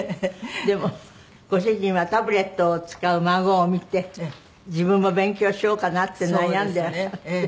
でもご主人はタブレットを使う孫を見て自分も勉強しようかなって悩んでらしたって。